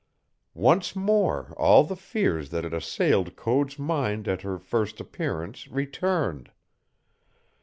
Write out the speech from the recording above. Once more all the fears that had assailed Code's mind at her first appearance returned.